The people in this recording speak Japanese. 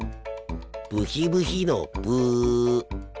ブヒブヒのブ。